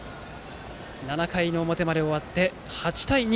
７回の表まで終わって、８対２。